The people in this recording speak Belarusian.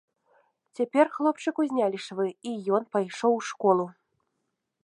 Цяпер хлопчыку знялі швы, і ён пайшоў у школу.